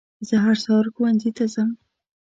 زه هر سهار ښوونځي ته ځم.